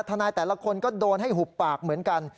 ทนายแต่ละคนก็โดนให้หุบปากเหมือนกัน